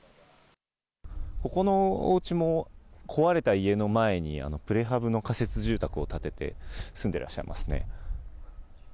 ここのおうちも、壊れた家の前にプレハブの仮設住宅を建てて、住んでらっしゃいますね。